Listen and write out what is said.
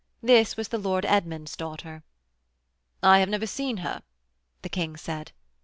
This was the Lord Edmund's daughter. 'I have never seen her,' the King said.